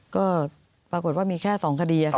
ก็ปรากฏว่ามีแค่๒คดี